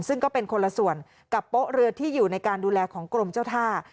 ซึ่งก็เป็นคนละส่วนกับโป๊ะเรือที่อยู่ในการดูแลของกรมเจ้าท่า